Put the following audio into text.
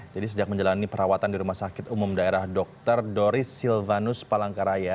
jadi sejak menjalani perawatan di rumah sakit umum daerah dokter doris silvanus palangkaraya